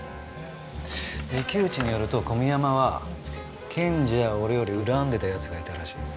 池内によると小宮山は検事や俺より恨んでた奴がいたらしい。